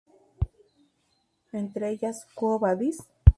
Entre ellas "Quo Vadis?